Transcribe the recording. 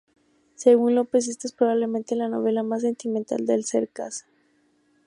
Según López, esta es probablemente la novela más sentimental de Cercas.